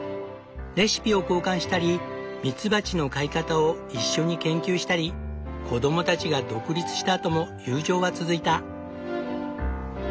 レシピを交換したりミツバチの飼い方を一緒に研究したり子供たちが独立したあとも友情は続いた。